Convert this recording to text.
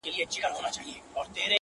ستا زړه ته خو هر څوک ځي راځي گلي.